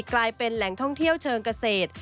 กลายเป็นแหล่งท่องเที่ยวเชิงเกษตร